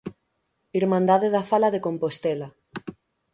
Irmandade da Fala de Compostela.